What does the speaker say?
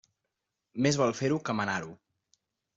Més val fer-ho que manar-ho.